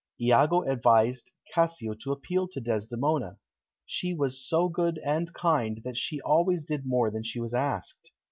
Iago advised Cassio to appeal to Desdemona. She was so good and kind that she always did more than she was asked.